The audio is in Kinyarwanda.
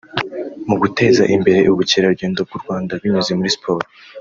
mu guteza imbere ubukerarugendo bw’u Rwanda binyuze muri siporo